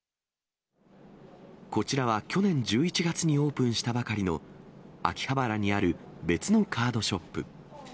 こちらは去年１１月にオープンしたばかりの秋葉原にある別のカードショップ。